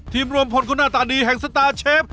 รวมพลคนหน้าตาดีแห่งสตาร์เชฟ